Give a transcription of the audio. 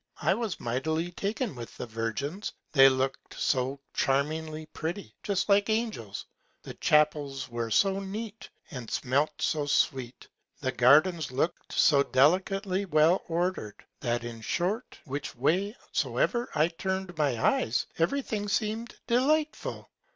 I was mightily taken with the Virgins, they look'd so charming pretty, just like Angels; the Chapels were so neat, and smelt so sweet, the Gardens look'd so delicately well order'd, that in short which Way soever I turn'd my Eye every Thing seem'd delightful.